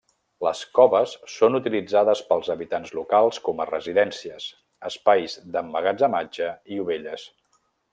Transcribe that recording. Les coves són utilitzades pels habitants locals com a residències, espais d'emmagatzematge i ovelles.